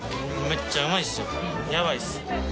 やばいっす。